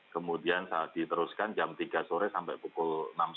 kemudian diteruskan jam tiga sampai pukul enam